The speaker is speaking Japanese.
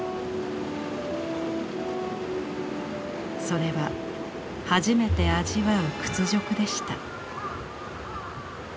それは初めて味わう屈辱でした。